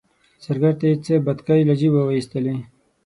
زرګر ته یې څه بتکۍ له جیبه وایستلې.